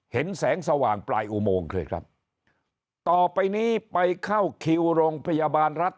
เห็นแสงสว่างปลายอุโมงเลยครับต่อไปนี้ไปเข้าคิวโรงพยาบาลรัฐ